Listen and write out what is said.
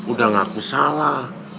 udah ngaku salah